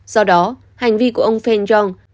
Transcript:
do đó hành vi của ông phan jong